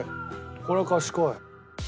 これは賢い。